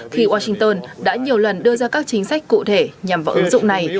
khi washington đã nhiều lần đưa ra các chính sách cụ thể nhằm vào ứng dụng này